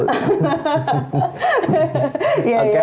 wajar sih dia nggak tau